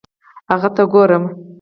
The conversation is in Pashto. هغه ته ګورم